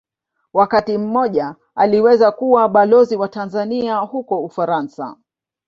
Wakati mmoja aliweza kuwa Balozi wa Tanzania huko Ufaransa.